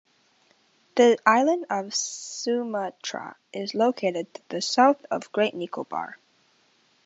The island of Sumatra is located to the south of Great Nicobar.